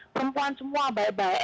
perempuan semua baik baik